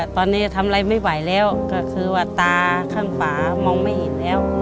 ตอนนี้ทำอะไรไม่ไหวแล้วก็คือว่าตาข้างฝามองไม่เห็นแล้ว